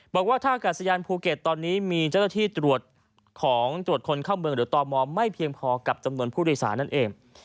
บอกว่าท่ากาศยานภูเก็ตตอนนี้มีเจ้าหน้าที่ตรวจของตรวจคนเข้าเมืองหรือตมไม่เพียงพอกับจำนวนผู้โดยสารนั่นเอง